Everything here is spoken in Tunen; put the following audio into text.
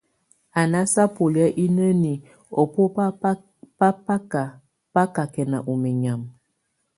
A nása bole ineni ɔ bóbaka bá kakɛn ɔ menyam.